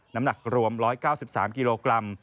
น้ำหนักรวม๑๙๓กิโลกรัม